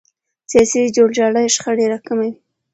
سیاسي جوړجاړی شخړې راکموي